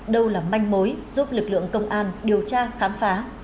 đâu là manh mối giúp lực lượng công an điều tra khám phá